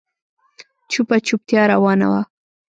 چوپه چوپتيا روانه وه.